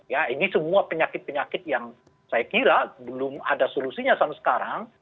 ya ini semua penyakit penyakit yang saya kira belum ada solusinya sampai sekarang